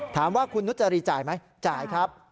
ถามว่าคุณนุจรีจ่ายไหมจ่ายครับ